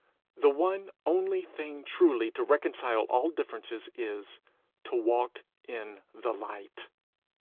The one only thing truly to reconcile all differences is, to walk in the light.